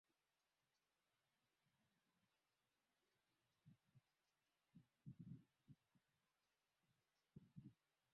Kirusi Rossiya ni nchi ya Ulaya ya Mashariki